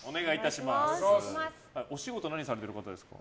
お仕事何されてる方ですか？